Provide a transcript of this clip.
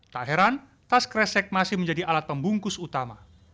tak heran tas kresek masih menjadi alat pembungkus utama